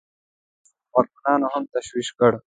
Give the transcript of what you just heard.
د بلخ واکمنانو هم تشویق کړ.